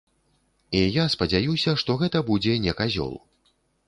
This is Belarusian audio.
І я спадзяюся, што гэта будзе не казёл.